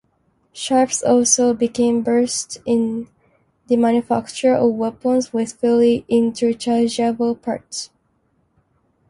Sharps also became versed in the manufacture of weapons with fully interchangeable parts.